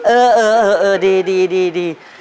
เออดี